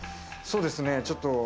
そうですね。